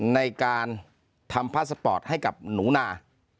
ในการทำพาสปอร์ตให้กับหนูนา